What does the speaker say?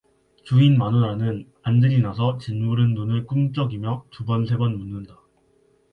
주인 마누라는 안질이 나서 짓무른 눈을 꿈적이며 두번 세번 묻는다.